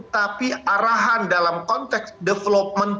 tapi arahan dalam konteks development